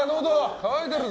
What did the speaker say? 乾いてるぞ！